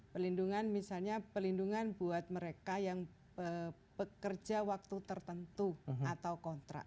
pelindungan misalnya pelindungan buat mereka yang pekerja waktu tertentu atau kontrak